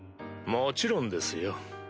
もちろんですよ。